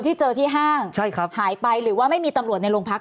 ที่เจอที่ห้างใช่ครับหายไปหรือว่าไม่มีตำรวจในโรงพัก